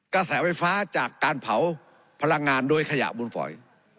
กระแสไฟฟ้าจากการเผาพลังงานโดยขยะบุญฝอย